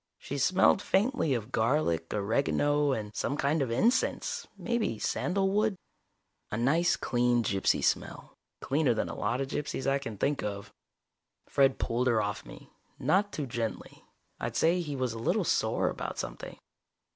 She smelled faintly of garlic, oregano and some kind of incense, maybe sandalwood. A nice clean gypsy smell. Cleaner than a lot of gypsies I can think of. Fred pulled her off me, not too gently. I'd say he was a little sore about something.